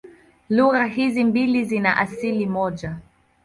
Lugha hizi mbili zina asili moja.